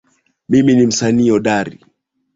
Mimi ni msanii hodari